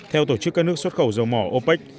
theo tổ chức các nước xuất khẩu dầu mỏ opec